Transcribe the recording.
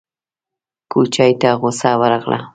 کوچي ته غوسه ورغله!